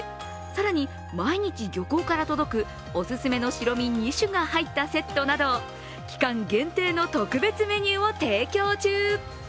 更に毎日漁港から届くお勧めの白身２種が入ったセットなど、期間限定の特別メニューを提供中。